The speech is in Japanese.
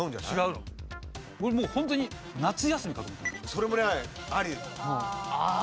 それもねあり。